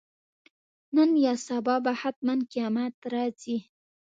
نن یا سبا به حتماً قیامت راځي.